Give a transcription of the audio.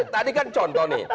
tadi kan contoh nih